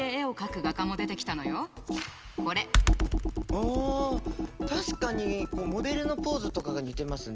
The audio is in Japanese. あ確かにモデルのポーズとかが似てますね。